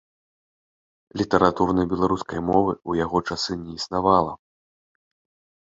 Літаратурнай беларускай мовы ў яго часы не існавала.